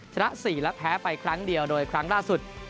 ชนะ๔และแพ้ไปครั้งเดียวโดยครั้งล่าสุด